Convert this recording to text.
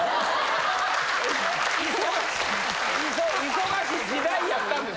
忙しい時代やったんです。